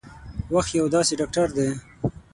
وخت یو داسې ډاکټر دی